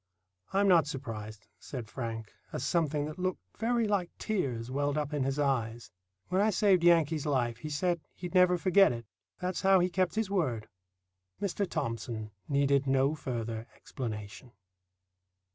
"I'm not surprised," said Frank, as something that looked very like tears welled up in his eyes. "When I saved Yankee's life he said he'd never forget it. That's how he kept his word." Mr. Thomson needed no further explanation.